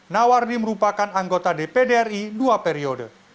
nawardi merupakan anggota dpdri dua periode